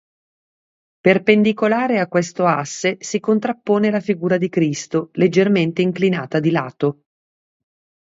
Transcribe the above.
Perpendicolare a questo asse si contrappone la figura di Cristo, leggermente inclinato di lato.